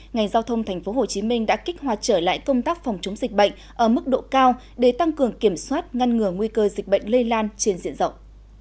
ngành giao thông tp hcm đã kích hoạt trở lại công tác phòng chống dịch bệnh ở mức độ cao để tăng cường kiểm soát ngăn ngừa nguy cơ dịch bệnh lây lan trên diện rộng